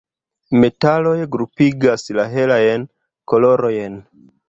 Metaloj grupigas la "helajn kolorojn".